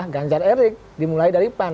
ganjar erick dimulai dari pan